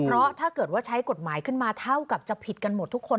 เพราะถ้าเกิดว่าใช้กฎหมายขึ้นมาเท่ากับจะผิดกันหมดทุกคน